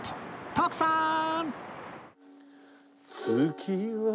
徳さん！